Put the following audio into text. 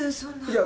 いや。